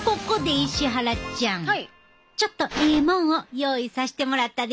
ちょっとええもんを用意させてもらったで！